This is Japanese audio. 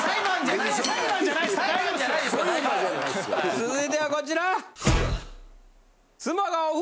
続いてはこちら！